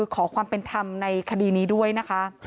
ขอความเป็นธรรมในคดีนี้ด้วยนะคะ